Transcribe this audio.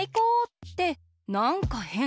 ってなんかへん。